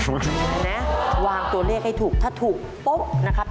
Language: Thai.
นะวางตัวเลขให้ถูกถ้าถูกปุ๊บนะครับ